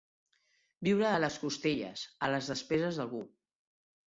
Viure a les costelles, a les despeses, d'algú.